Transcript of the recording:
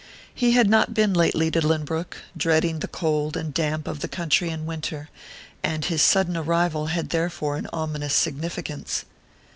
He had not been lately to Lynbrook, dreading the cold and damp of the country in winter; and his sudden arrival had therefore an ominous significance.